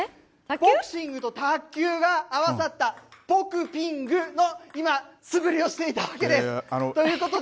ボクシングと卓球が合わさったボクピングの今、素振りをしていたわけです。ということで。